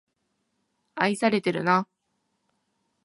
愛されてるな